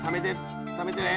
ためてね！